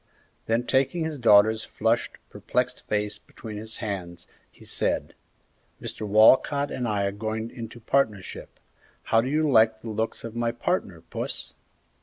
Then taking his daughter's flushed, perplexed face between his hands, he said, "Mr. Walcott and I are going into partnership; how do you like the looks of my partner, Puss?"